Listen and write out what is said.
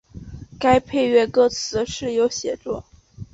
该配乐歌词是由写作。